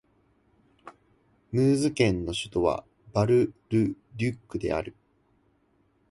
ムーズ県の県都はバル＝ル＝デュックである